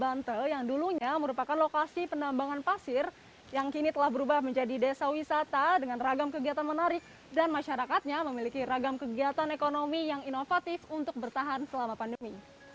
banteng yang dulunya merupakan lokasi penambangan pasir yang kini telah berubah menjadi desa wisata dengan ragam kegiatan menarik dan masyarakatnya memiliki ragam kegiatan ekonomi yang inovatif untuk bertahan selama pandemi